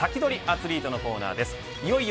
アツリートのコーナーです。